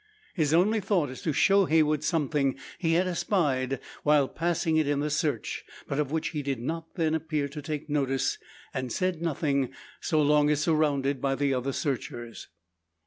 His only thought is to show Heywood something he had espied while passing it in the search; but of which he did not then appear to take notice, and said nothing, so long as surrounded by the other searchers.